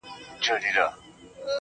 او د افغانستان د هري طبقې